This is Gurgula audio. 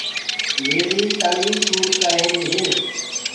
ميريٚ تݪيٚ سُور ڪر رهيري هي۔